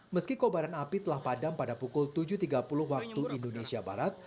meski kobaran api telah padam pada pukul tujuh tiga puluh waktu indonesia barat